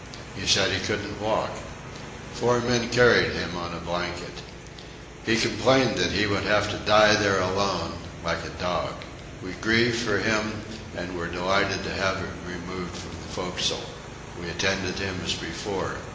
He said he couldn't walk. Four men carried him on a blanket. He complained that he would have to die there alone, like a dog. We grieved for him, and were delighted to have him removed from the forecastle. We attended him as before.